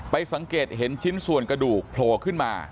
สังเกตเห็นชิ้นส่วนกระดูกโผล่ขึ้นมา